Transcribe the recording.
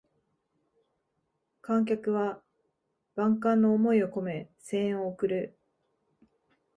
観客は万感の思いをこめ声援を送る